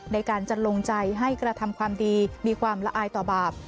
ในการจัดลงใจให้กระทำความดีมีความละอายต่อบาป